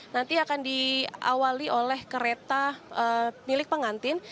nanti akan diawali oleh kereta milik pengantin